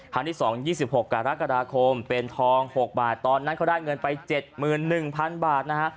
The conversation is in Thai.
ครั้งที่๒๒๖กรกฎาคมเป็นทอง๖บาทตอนนั้นเขาได้เงินไป๗๑๐๐๐บาทนะฮะ